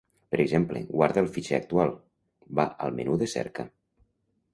Per exemple, guarda el fitxer actual; va al menú de cerca.